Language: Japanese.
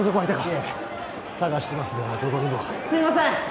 いえ捜していますがどこにもすいません！